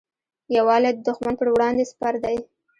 یووالی د دښمن پر وړاندې سپر دی.